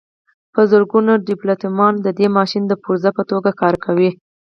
په زرګونو ډیپلوماتان د دې ماشین د پرزو په توګه کار کوي